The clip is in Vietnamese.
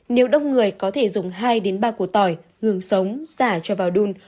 nếu đông người có thể dùng hai ba cổ tỏi gừng sống xả cho vào đun